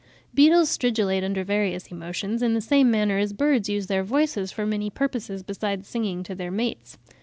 Beetles stridulate under various emotions, in the same manner as birds use their voices for many purposes besides singing to their mates.